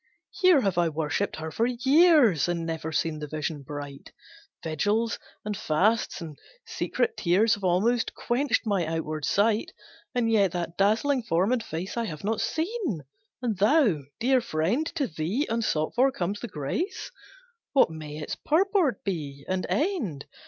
Here have I worshipped her for years And never seen the vision bright; Vigils and fasts and secret tears Have almost quenched my outward sight; And yet that dazzling form and face I have not seen, and thou, dear friend, To thee, unsought for, comes the grace, What may its purport be, and end?